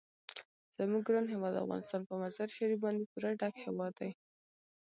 زموږ ګران هیواد افغانستان په مزارشریف باندې پوره ډک هیواد دی.